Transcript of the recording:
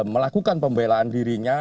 melakukan pembelaan dirinya